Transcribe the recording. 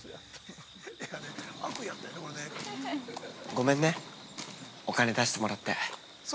ごめんね、お金出してもらって。